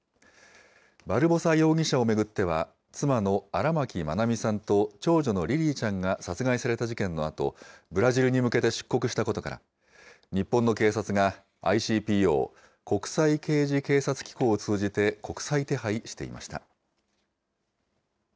バルボサ容疑者を巡っては、妻の荒牧愛美さんと長女のリリィちゃんが殺害された事件のあと、ブラジルに向けて出国したことから、日本の警察が、ＩＣＰＯ・国際刑事警察機構を通じて国際手配していました。